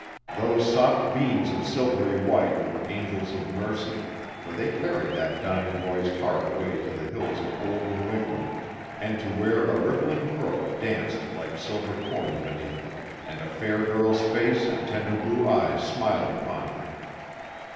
Those soft beams of silvery white were angels of mercy, for they carried that dying boy's heart away to the hills of old New England, and to where a rippling brook danced like silver coin beneath them, and a fair girl's face and tender blue eyes smiled upon him.